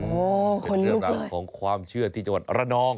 โอ้โหเรื่องราวของความเชื่อที่จังหวัดระนอง